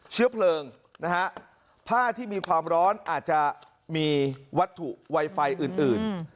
เชื้อเพลิงนะฮะผ้าที่มีความร้อนอาจจะมีวัตถุไวไฟอื่น